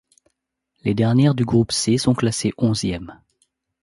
Les dernières du groupe C sont classées onzièmes.